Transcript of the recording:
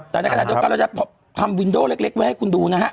ตอนนี้ก็จะทำวินโด้เล็กไว้ให้คุณดูนะฮะ